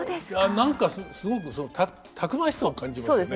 何かすごくたくましさを感じますね。